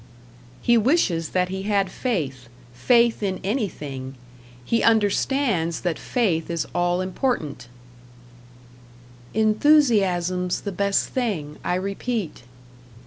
He wishes that he had faith faith in anything; he understands that faith is all important Enthusiasm's the best thing, I repeat.